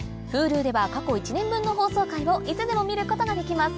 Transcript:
Ｈｕｌｕでは過去１年分の放送回をいつでも見ることができます